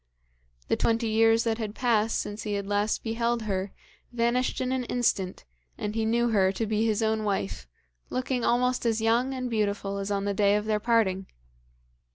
The twenty years that had passed since he had last beheld her vanished in an instant, and he knew her to be his own wife, looking almost as young and beautiful as on the day of their parting.